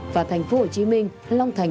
và thành phố hồ chí minh long thành